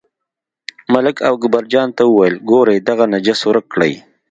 ملک اکبرجان ته وویل، ګورئ دغه نجس ورک کړئ.